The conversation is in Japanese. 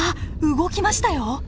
動きましたよ。